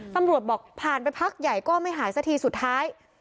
ตำรวจบอกผ่านไปพักใหญ่ก็ไม่หายสักทีสุดท้าย